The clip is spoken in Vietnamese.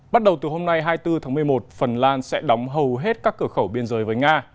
bắt đầu từ hôm nay hai mươi bốn tháng một mươi một phần lan sẽ đóng hầu hết các cửa khẩu biên giới với nga